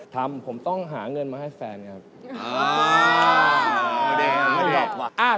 ทำผมต้องหาเงินมาให้แฟนครับ